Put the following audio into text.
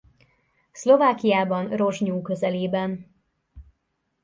Szlovákiában Rozsnyó közelében.